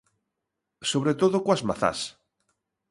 Sobre todo coas mazás.